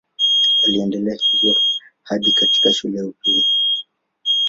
Aliendelea hivyo hadi katika shule ya upili.